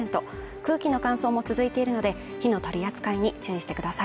空気の乾燥も続いているので火の取り扱いに注意してください